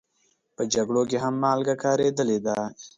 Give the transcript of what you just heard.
په جګړو کې هم مالګه کارېدلې ده.